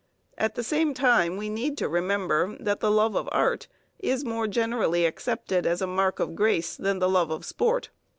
At the same time we need to remember that the love of art is more generally accepted as a mark of grace than the love of sport.